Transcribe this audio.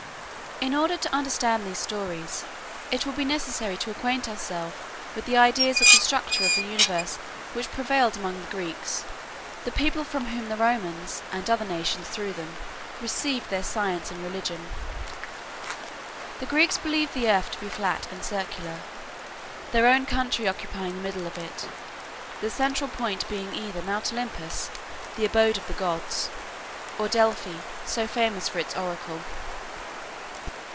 In order to understand these stories, it will be necessary to acquaint ourselves with the ideas of the structure of the universe which prevailed among the Greeks the people from whom the Romans, and other nations through them, received their science and religion. The Greeks believed the earth to be flat and circular, their own country occupying the middle of it, the central point being either Mount Olympus, the abode of the gods, or Delphi, so famous for its oracle.